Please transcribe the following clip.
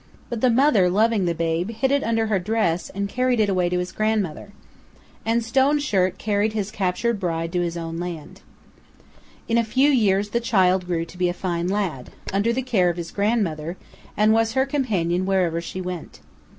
But the mother, loving the babe, hid it under her dress and carried it away to its grandmother. And Stone Shirt carried his captured bride to his own land. In a few years the child grew to be a fine lad, under the care of his grandmother, and was her companion wherever she went.